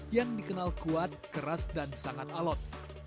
yang dikenal kuat keras dan sangat alot